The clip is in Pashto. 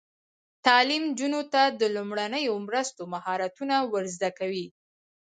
تعلیم نجونو ته د لومړنیو مرستو مهارتونه ور زده کوي.